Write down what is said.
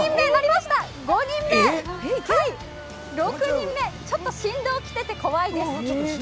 ６人目、ちょっと振動がきてて怖いです。